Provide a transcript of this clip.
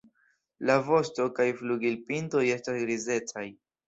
La vosto- kaj flugilpintoj estas grizecaj.